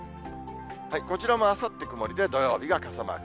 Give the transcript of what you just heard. こちらもあさって曇りで、土曜日が傘マーク。